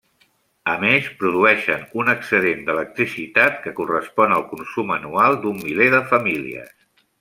A més, produeixen un excedent d'electricitat que correspon al consum anual d'un miler de famílies.